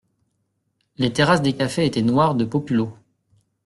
Les terrasses des cafés étaient noires de populo.